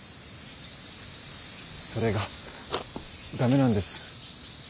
それがダメなんです。